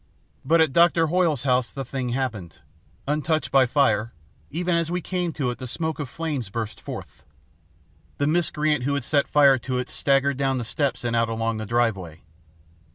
But at Doctor Hoyle's house the thing happened. Untouched by fire, even as we came to it the smoke of flames burst forth. "The miscreant who had set fire to it staggered down the steps and out along the driveway.